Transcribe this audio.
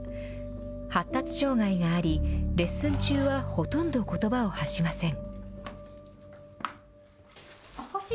発達障害があり、レッスン中はほとんどことばを発しません。